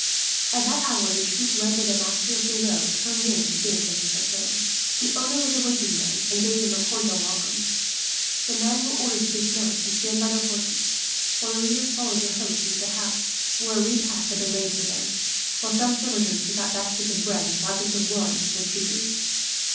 At that hour the troop, led by the Master of Grelot, turned in at the gate of the chateau. The owner was awaiting them, and gave them a cordial welcome. The men were ordered to dismount and stand by their horses, while the leaders followed their host into the house, where a repast had been laid out for them; while some servitors took out baskets of bread and flagons of wine to the troopers.